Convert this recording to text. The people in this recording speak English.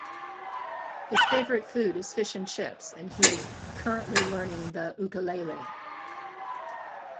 His favourite food is fish and chips and he is currently learning the ukulele.